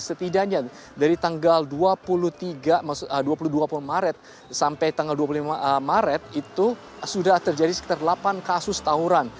setidaknya dari tanggal dua puluh dua puluh maret sampai tanggal dua puluh lima maret itu sudah terjadi sekitar delapan kasus tawuran